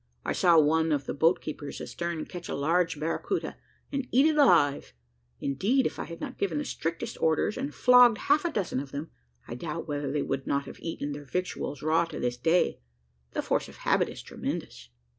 I saw one of the boat keepers astern catch a large barracouta, and eat it alive indeed, if I had not given the strictest orders, and flogged half a dozen of them, I doubt whether they would not have eaten their victuals raw to this day. The force of habit is tremendous."